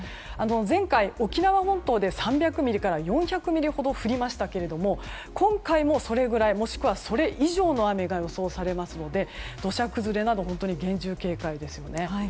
前回、沖縄本島で３００ミリから４００ミリほど降りましたけど今回もそれぐらいもしくはそれ以上の雨が予想されますので土砂崩れなど厳重警戒ですよね。